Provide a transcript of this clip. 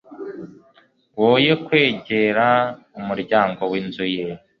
woye kwegera umuryango w'inzu ye